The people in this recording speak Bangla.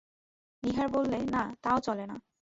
নীহার বললে, না, তাও চলে না।